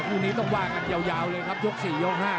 คุณนี้ต้องว่ากันยาวเลยครับยกสี่ยกห้า